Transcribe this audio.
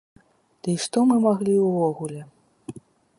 Ды і што мы маглі ўвогуле?